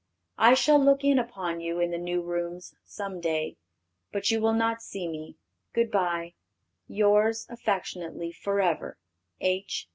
I shall look in upon you in the new rooms some day; but you will not see me. Good bye. Yours affectionately forever, H.